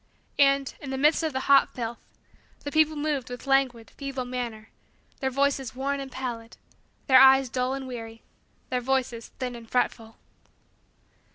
And, in the midst of the hot filth, the people moved with languid, feeble manner; their faces worn and pallid; their eyes dull and weary; their voices thin and fretful.